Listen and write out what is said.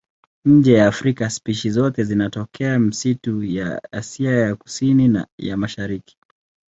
Nje ya Afrika spishi zote zinatokea misitu ya Asia ya Kusini na ya Mashariki.